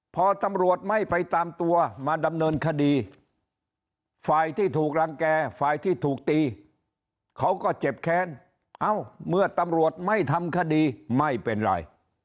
พอตำรวจไม่ไปตามตัวมาดำเนินคดีฝ่ายที่ถูกรังแก่ฝ่ายที่ถูกตีเขาก็เจ็บแค้นเอ้าเมื่อตำรวจไม่ทำคดีไม่เป็นไร